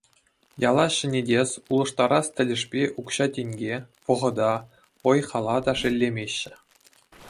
Яла ҫӗнетес, улӑштарас тӗлӗшпе укҫа-тенке, вӑхӑта, вӑй-хала та шеллемеҫҫӗ.